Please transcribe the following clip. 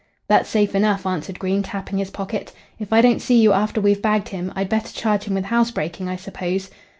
"That's safe enough," answered Green, tapping his pocket. "If I don't see you after we've bagged him I'd better charge him with housebreaking, I suppose?"